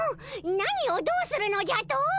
何をどうするのじゃと？